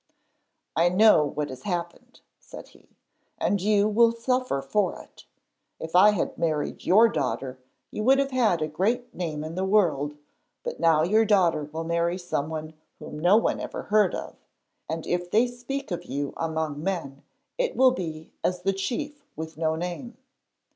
'I know what has happened,' said he. 'And you will suffer for it. If I had married your daughter, you would have had a great name in the world, but now your daughter will marry someone whom no one ever heard of, and if they speak of you among men it will be as The Chief with no name.'